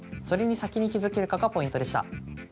それに先に気付けるかがポイントでした。